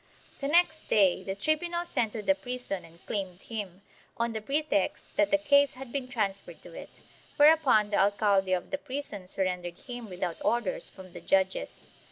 The next day the tribunal sent to the prison and claimed him, on the pretext that the case had been transferred to it, whereupon the alcaide of the prison surrendered him without orders from the judges.